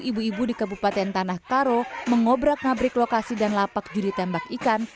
ibu ibu di kabupaten tanah karo mengobrak nabrik lokasi dan lapak judi tembak ikan